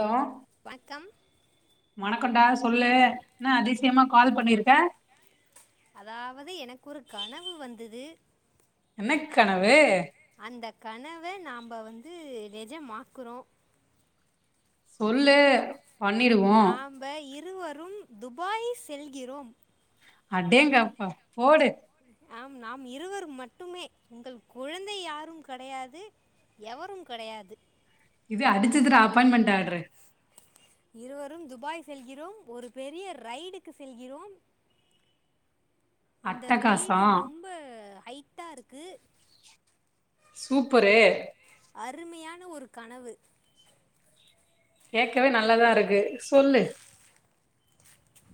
hello வண்க்கம் வணக்கம்டா சொல்லு என்ன அதிசயமா கால் பண்ணிருக்கே அதாவது எனக்கு ஒரு கனவு வந்துது என்னக் கனவு அந்த கனவ நாம்ப வந்து நெஜமாக்குறோ சொல்லு பண்ணிருவோ ருவரும் துபாய் செல்கிறோம் அடேங்கப்பா போடு ஆம் நாம் இருவர் மட்டுமே உங்கள் குழந்தை யாரும் கடையாது எவரும் கடையாது இது அடிச்சுதுடா அப்பாயிண்ட்மென்ட்டு ஆட்ரு இருவரும் துபாய் செல்கிறோம் ஒரு பெரிய ரைடுக்கு செல்கிறோம் அந்த ரைடு அட்டகாசம் ரொம்ப ஹைட்டாருக்கு சூப்பரு அருமியான ஒரு கனவு கேக்கவே நல்லாதா இருக்கு ஸ் ஒல்லு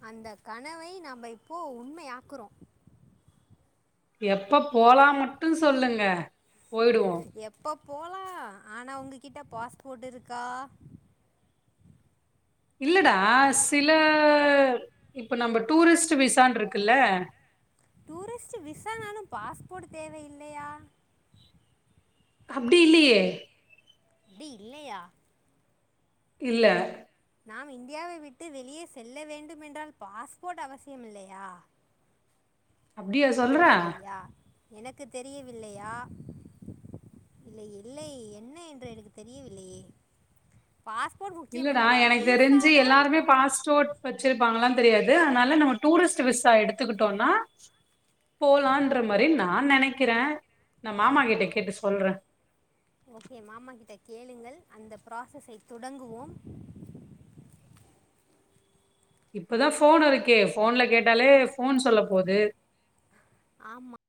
அந்த கனவை நம்ம இப்போ உண்மையாக்குறோ எப்ப போலா மட்டு சொல்லுங்க போயிடுவோம் எப்ப போலா ஆனா உங்கி கிட்ட பாஸ்போட் இருக்கா இல்லடா சில இப்ப நம்ப டூரிஸ்ட் விசான் இருக்குல்ல டூரிஸ்ட் விசானாலு பாஸ்போட் தேவை இல்லையா அப்டி இல்லியே அப்டி இல்லையா இல்ல நாம் இண்டியாவை விட்டு வெளியே செல்ல வேண்டும்மென்றால் பாஸ்போட் அவசியம் இல்லையா அப்டியா சொல்ற என்னங்க ஐயா எனக்கு தெரியவில்லையா இல்லை இல்லை என்ன என்று எனக்கு தெரியவில்லையே பாஸ்போர்ட் முக்கியம் இல்லடா அல்லவா எனக்கு விசா தெரிஞ்சு தான் எல்லாருமே பாஸ்போட் வெச்சிருப்பாங்ளான் தெரியாது அதனால நம்ம டூரிஸ்ட் விசா எடுத்துக்கிட்டோன்னா போலான்ற மாரி நா நான் நெனைக்கிறே நா மாமா கிட்ட கேட்டு சொல்றே ஓகே மாமா கிட்ட கேளுங்கள் அந்த ப்ராசஸை துடங்குவோம் இப்பதா ஃபோன் இருக்கே போன்ல கேட்டாலே ஃபோன் சொல்ல போது ஆமா [inaudible]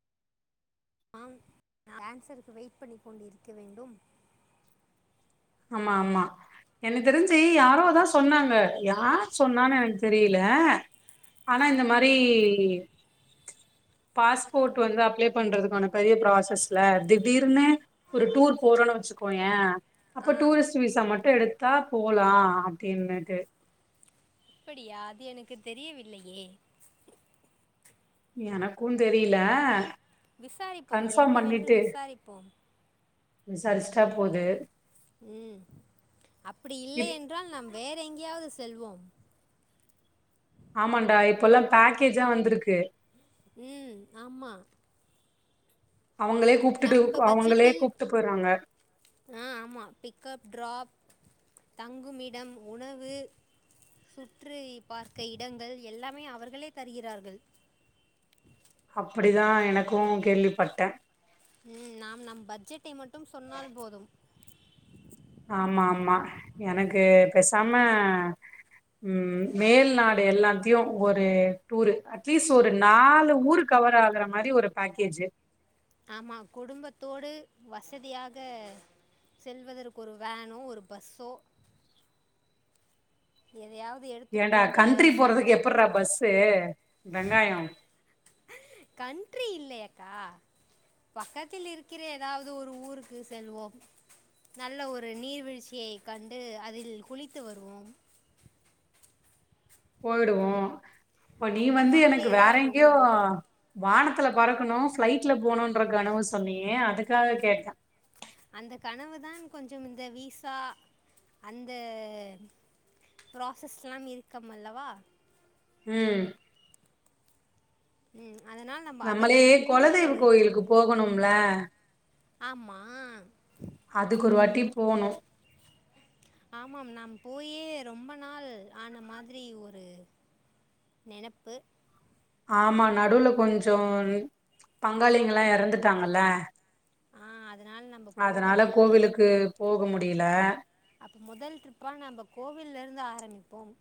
ஏன்சருக்கு வெயிட் பண்ணிக் கொண்டு இருக்க வேண்டும் ஆமா ஆமா எனக்கு தெரிஞ்சு யாரோதா சொன்னாங்க யார் சொன்னானு எனக்கு தெரியில ஆனா இந்த மாரி பாஸ்போட் வந்து அப்ளை பண்றதுக்கான பெரிய ப்ராசஸ்ல திடீர்னு ஒரு டூர் போறோன்னு வெச்சுக்கோயே அப்போ ஆ டூரிஸ்ட் விசா மட் ட்டு எடுத்தா போலா அப்டின்னுட்டு அப்படியா அது எனக்கு தெரியவில்லையே எனக்குந் தெரில விசாரிப்போம் என்னவென்று விசாரிப்போம் விசாரிச்சுட்டா போது ம் அப்படி இல்லை இப் என்றால் நாம் வேற எங்கயாவது செல்வோம் ஆமாண்டா இப்பல்லா பேக்கேஜா வந்திருக்கு ம் ஆமா அவங்களே கூப்ட்டுட்டு நம்ப அவங்களே பட்ஜெட்டில் கூப்ட்டு போய்றாங்க ஆ ஆமா பிக்கப் ட்ராப் தங்குமிடம் உணவு சுற்றி பார்க்க இடங்கள் எல்லாமே அவர்களே தருகிறார்கள் அப்படி தா எனக்கு கேள்விப்பட்ட ம் நாம் நம் பட்ஜெட்டை மட்டும் சொன்னால் போதும் ஆமா ஆமா எனக்கு பேசாம ம் மேல் நாடு எல்லாத்தையு ஒரு டூரு அட்லீஸ்ட் ஒரு நாலு ஊரு கவர் ஆகுற மாரி ஒரு பேக்கேஜ்ஜூ ஆமா குடும்பத்தோடு வசதியாக செல்வதற்கு ஒரு வேனோ ஒரு பஸ்ஸோ எதையா ஏண்டா கண்ட்ரி போறதுக்கு எப்பிட்றா பஸ்சு வெங்காயோ கன்ட்ரி இல்லையக்கா பக்கத்தில் இருக்கிற ஏதாவது ஒரு ஊருக்கு செல்வோம் நல்ல ஒரு நீர்வீழ்ச்சியை கண்டு அதில் குளித்து வருவோம் போய்டுவோ இப்ப நீ அந்த வந்து மாதிரி எனக்கு வேற ஏதாவது ஒரு எங்கயோ ஊர் வானத் காத்துல பறக்கணு ப்ளைட்ல போணுன்ற கனவ சொன்னியே அதுக்காக கேட்ட அந்த கனவு தான் கொஞ்சம் இந்த விசா அந்த ப்ராசஸ்ல்லாம் இருக்குமல்லவா ம் ம் அதனால் நம்ம நம்மளே அதற்கு முன்பு கொலதெய்வ கோயிலுக்கு போகணும் ல ஆமா அதுக்கு ஒரு வாட்டி போனு ஆமாம் நாம் போயே ரொம்ப நாள் ஆன மாதிரி ஒரு நெனப்பு ஆமா நடுவுல கொஞ்சோ பங்காளிங்கல்லா எறந்துட்டாங்கல்ல ஆ அது அதனால கோவிலுக்கு போக மு டில மொதல் ட்ரிப்பா நம்ப கோவில்லருந்து ஆரம்பிப்போம்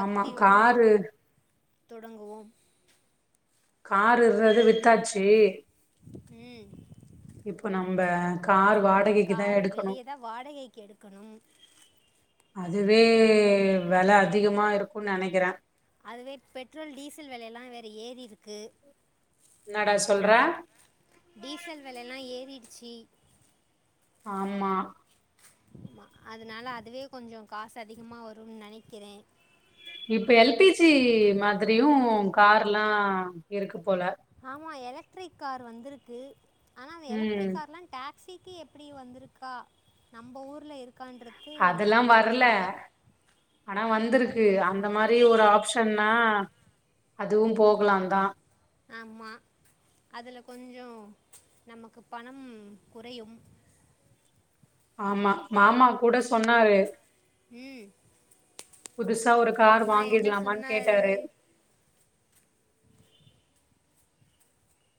ஆமா காரு தொடங்குவோம் காரு இருந்தது வித்தாச்சி ம் இப்ப நம்ப காரு காரு வெளியதா வாடகைக்கி எடுக்கணும் அதுவே வெல அதிகமா இருக்குனு நினைக்கிறேன் அதுவே பெட்ரோல் டீசல் வெலையல்லாம் வேற ஏறிருக்கு என்னடா சொல்ற டீசல் வெலல்லா ஏறிடுச்சி ஆமா ப்ச் அதனால அதுவே கொஞ்சம் காசு அதிகமா வரும்னு நினைக்கிறேன் இப்ப எல் பி ஜி மாதிரியும் கார்லா இருக்கு போல ஆமா எல க்ட்ரிக் கார் வந்திருக்கு ஆனா அந்த ம் எலக்ட்ரிக் கார்லாம் ட ஸிக்கு எப்டி வந்திருக்கா நம்ப ஊருல இரு அதெல்லாம் வரல ஆனா வந்திருக்கு அந்த மாரி ஒரு ஆப் ப்ஷன்னா அதுவும் போகலாந்தான் ஆமா அதுல கொஞ்சோ நமக்கு பணம் குறையும் ஆமா மாமா கூட சொன்னாரு ம் புதுசா ஒரு கார் மாமா என்ன வாங்கிடலாமான்னு சொன்னார் கேட்டாரு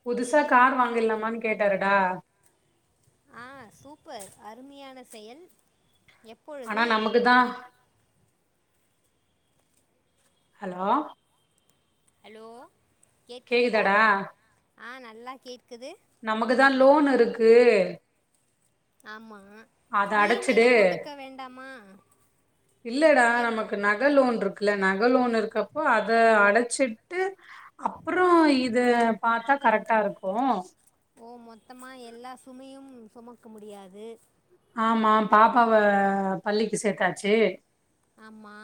புதுசா கார் வாங்கிட்லாமான்னு கேட்டாருடா ஆ சூப்பர் அருமையான செயல் ஆனா எப்பொழுது நமக்குதான் ஹலோ அலோ கேக்குதாடா ஆ நல்லா கேக்குது நமக்குதான் லோன் இருக்கு ஆமா அத இ எம் ஐ அடைச்சிடு ல போட்டுக்க வேண்டாமா இ எம் குல்ல நக லோன் இருக்கப்போ அத அடைச்சிட்டு அப்புறம் இத பாத்தா கரெக்டா இருக்கும் அப்போ மொத்தமா எல்லா சுமையும் சுமக்க முடியாது ஆமாம் பாப்பாவ பள்ளிக்கு சேத்தாச்சு ஆமா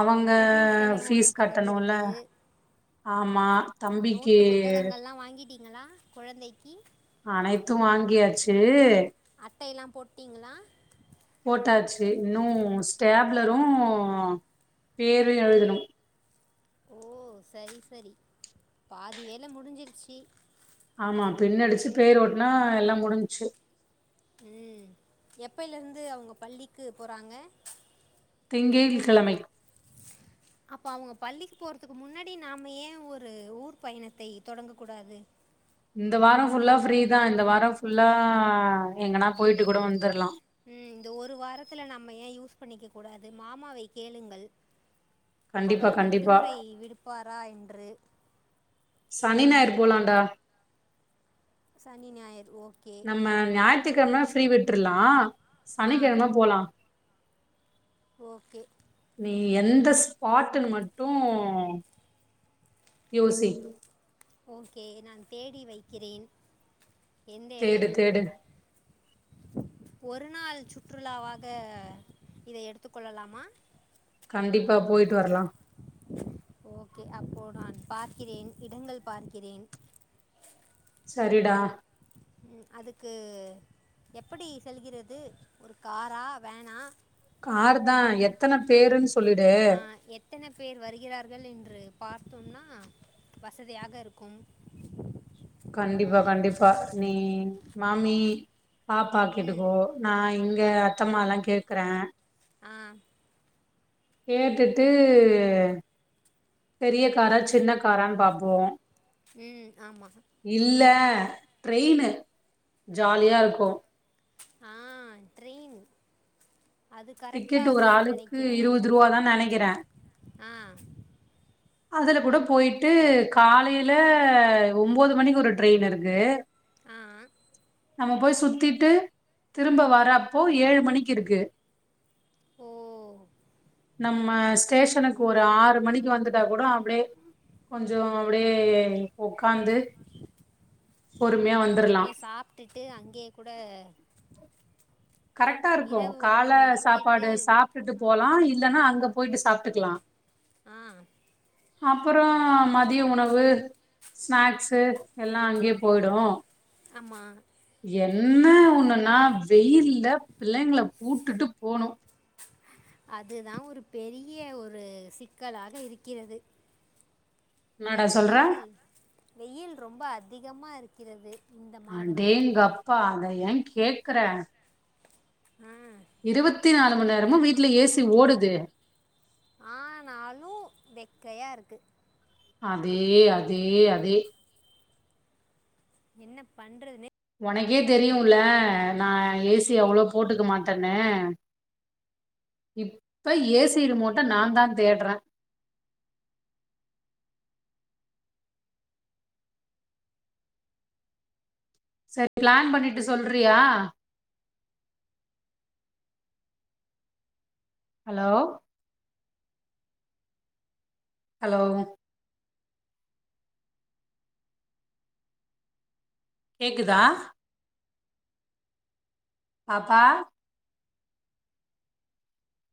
அவங்க புது செலவு ஒண்ணு தொடங்கிருக்கு ஆம் மா தம்பிக்கி எல்லா குழந்தைக்கி அனைத்தும் வாங்கியாச்சு அட்டையெல்லாம் போட்டிங்களா போட்டாச்சு இன்னும் ஸ்டாப் ஸ்டாப்லரும் பேரு எழுதுனும் ஓ சரி சரி பாதி வேலை முடிஞ்சிருச்சு ஆமா பின்னடிச்சு பேர் ஓட்டுனா எல்லாம் முடிஞ்ச்சு ம் எப்பைலருந்து அவுங்க பள்ளிக்கு போறாங்க திங்கள் கிழமை அப்ப அவுங்க பள்ளிக்கு போறதுக்கு முன்னாடி நாம ஏன் ஒரு ஊர் பயணத்தை தொடங்க கூடாது இந்த வாரோ ஃபுல்லா ஃப்ரீ தா இந்த வாரோ ஃபுல்லா எங்கனா போயிட்டு கூட வந்துரலா ம் இந்த ஒரு வாரத்தில் நம்ம ஏன் யூஸ் பண்ணிக்க கூடாது மாமாவை கேளுங்கள் கண்டிப்பா அவருக்கு கண்டிப்பா விடுமுறை விடுப்பாரா என்று சனி ஞாயிறு போலான்டா சனி ஞாயிறு ஓ நம்ம ஞாய் ற்றுக்கிழமை ஃப்ரீ விட்டுருலா ஆ சனிக்கிழமை போலா ஓகே நீ எந்த ஸ்பாட்டுன்னு மட்டு யோசி ஓகே நான் தேடி வைக்கிறேன் எந்த தேடு இடம் தேடு ஒரு நாள் சுற்றுலாவாக இதை எடுத்து கொள்ளலாமா கண்டிப்பா போயிட்டு வரலா ஓகே அப்போ நான் பார்க்கிறேன் இடங்கள் பார்க்கிறேன் சரிடா உம் அதுக்கு எப்படி செல்கிறது ஒரு காரா வேனா கார் தான் எத்தனை பேருன்னு சொல்லிடு ஆ, எத்தனை பேர் வருகிறார்கள் என்று பார்த்தோம்னா வசதியாக இருக்கும் கண்டிப்பா கண்டிப்பா நீ மாமி பாப்பா ம் கேட்டுக்கோ நா இங் க அத்தம்மா எல்லா கேக்குற ஆம் கேட்டுட்டு பெரிய காரா சின்ன காரான்னு பாப்போ ம் ஆமாம் இல்ல ட்ரெயினு ஜாலியா இருக்கு ஆஹ் ட்ரெயின் அது டிக்கெட் கரெக்டாக ஒரு இருக்கும்னு ஆளுக்கு நினைக்கிறேன் இருவதுரூவாதானு நினைக்கிற ஆ அதுல கூட பொயிட்டு காலைல ஒம்போது மணிக்கு ஒரு ட்ரெயினு இருக்கு ஆஹ் நம்ம போய் சுத்திட்டு திரும்ப வர்ரப்போ ஏழு மணிக்கு இருக்கு ஓ நம்ம ஸ்டேஷனுக்கு ஒரு ஆறு மணிக்கு வந்து இருந்தா கூட அப்டியே கொஞ்சோ அப்டியே ஒக்காந்து பொறுமையா வந்தர்லா ட்டு அங் இங்யே கூட கரெக்ட்டா இருக்கு இரவு உணவை கால முடித்திட்டு சாப்பாடு சாப்டுட்டு போலா இ ல்லன்னா அங்க போயிட்டு சாப்ட்டுக்கலா ஆ அப்பறோ மதிய உணவு ஸ்நாக்ஸு எல்லா அங்கயே போய்டு ஆமா என்ன ஒண்ணுன்னா வெயில் ல பிள்ளைங்ள கூட்டுட்டு போனு அதுதா ஒரு பெரிய ஒரு சிக்கலாக இருக்கிறது இந்த என்னடா சொல்ற வெயில் வெயில் ரொம்ப அதிகமா இருக்கிறது இந்த மாதம் அடேங்கப் பா அத ஏ கேக்கற ஆ இருவத் தி நாலு மண் நேரமு வீட்ல ஏ சி ஓடுது ஆனாலு வெக்கையா இருக்கு அதே அதே அதே என்ன பண்றதுனே உனக்கே தெரியுல்ல நா ஏ சி அவ்ளோ போட்டுக்க மாட்டேனு இப்ப ஏ சி ரிமோட்ட நாந்தா தேட்றே சரி பிளான் பண்ணிட்டு சொல்றியா ஹலோ ஹலோ கேக்குதா பாப்பா